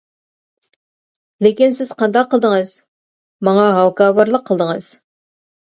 لېكىن سىز قانداق قىلدىڭىز؟ ماڭا ھاكاۋۇرلۇق قىلدىڭىز.